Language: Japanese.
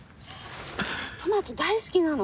トマト大好きなの。